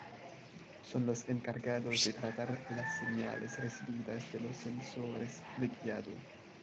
Son los encargados de tratar las señales recibidas de los sensores de guiado.